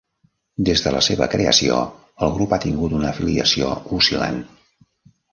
Des de la seva creació, el grup ha tingut una afiliació oscil·lant.